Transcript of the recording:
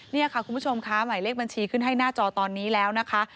นี่ค่ะคุณผู้ชมค่ะหมายเลขบัญชีขึ้นให้หน้าจอตอนนี้แล้วนะคะ